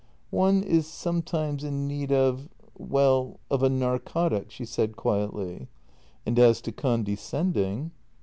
" One is sometimes in need of — well, of a narcotic," she said quietly. " And as to condescending